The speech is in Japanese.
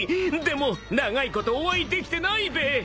でも長いことお会いできてないべ。